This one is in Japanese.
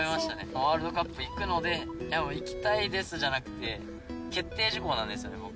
ワールドカップ行くので行きたいですじゃなくて決定事項なんです、もう。